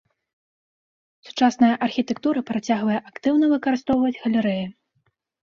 Сучасная архітэктура працягвае актыўна выкарыстоўваць галерэі.